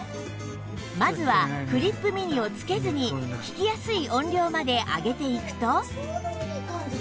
まずはクリップ・ミニをつけずに聞きやすい音量まで上げていくと